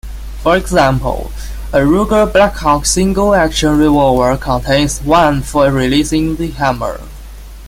For example, a Ruger Blackhawk single-action revolver contains one for releasing the hammer.